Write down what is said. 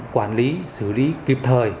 quản lý xử lý kịp thời